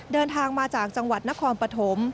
เดินทางมาจากจังหวัดนครปฐม